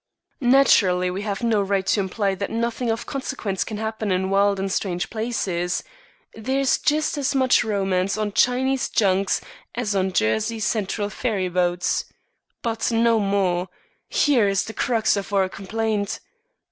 Naturally, we have no right to imply that nothing of consequence can happen in wild and strange places. There is just as much romance on Chinese junks as on Jersey Central ferryboats. But no more. Here is the crux of our complaint.